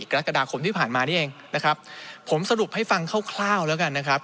กรกฎาคมที่ผ่านมานี่เองนะครับผมสรุปให้ฟังคร่าวแล้วกันนะครับ